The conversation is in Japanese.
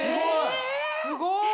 すごい！